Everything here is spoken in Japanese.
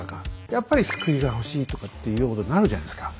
やっぱり救いが欲しいとかっていうことになるじゃないですか。